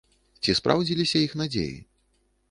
Ці спраўдзіліся іх надзеі?